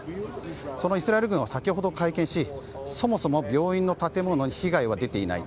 そのイスラエル軍は先ほど会見しそもそも病院の建物に被害は出ていない。